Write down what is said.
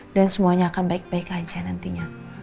dan semuanya akan baik baik aja nantinya